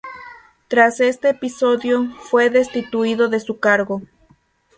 Tras este episodio, fue destituido de su cargo.